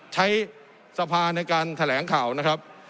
ใช้สภาในการแถลงข่าวนะครับ